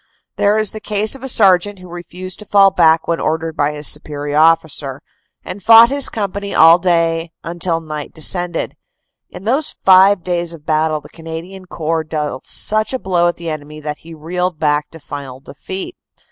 There is the case of a sergeant who refused to fall back when ordered by his superior officer, and fought his company all day until night descended. In those five days of battle the Cana dian Corps dealt such a blow at the enemy that he reeled back to final defeat.